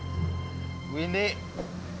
jadi saya panggil bapak hamid kiting disingkat